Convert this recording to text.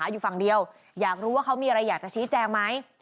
อยู่ฝั่งเดียวอยากรู้ว่าเขามีอะไรอยากจะชี้แจงไหม